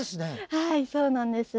はいそうなんです。